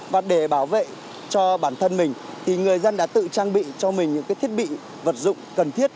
và để bảo vệ cho bản thân mình thì người dân đã tự trang bị cho mình những cái thiết bị vật dụng cần thiết